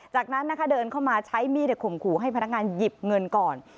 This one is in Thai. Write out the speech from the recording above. จากนั้นนะคะเดินเข้ามาใช้มีดข่มขู่ให้พนักงานหยิบเงินก่อน